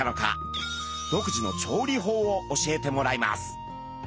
独自の調理法を教えてもらいます。